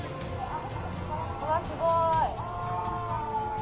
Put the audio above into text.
うわっ、すごい！